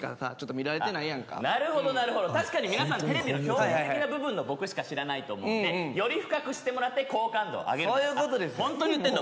見られてないやんかなるほどなるほど確かに皆さんテレビの表面的な部分の僕しか知らないと思うんでより深く知ってもらって好感度を上げるホントに言ってんの？